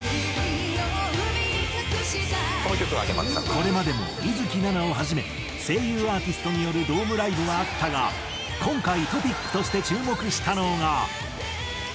これまでも水樹奈々をはじめ声優アーティストによるドームライブはあったが今回トピックとして注目したのが。